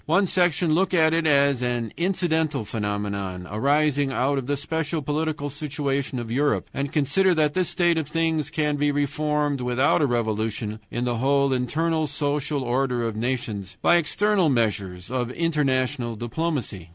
One section look at it as an incidental phenomenon, arising out of the special political situation of Europe, and consider that this state of things can be reformed without a revolution in the whole internal social order of nations, by external measures of international diplomacy.